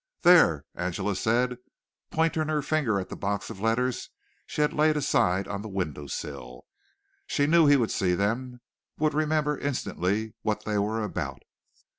"There!" Angela said, pointing her finger at the box of letters she had laid aside on the window sill. She knew he would see them, would remember instantly what they were about.